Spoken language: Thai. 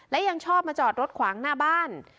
และยังชอบมาจอดรถขวางหน้าบ้าน